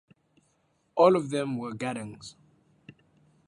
All of them were Gaddangs.